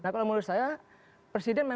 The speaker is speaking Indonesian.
kalau menurut saya presiden memang